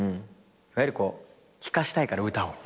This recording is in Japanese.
いわゆるこう聞かせたいから歌を。